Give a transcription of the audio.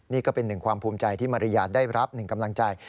นี่ก็เป็น๑ความภูมิใจที่มารียาได้รับ๑กำลังใจ